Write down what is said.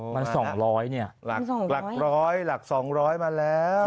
มันสองร้อยเนี้ยหลักหลักร้อยหลักสองร้อยมาแล้ว